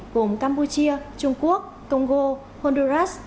gồm campuchia trung quốc congo honduras